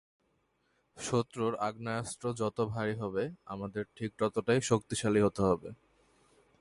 শত্রুর আগ্নেয়াস্ত্র যত ভারী হবে, আমাদের ঠিক ততটাই শক্তিশালী হতে হবে।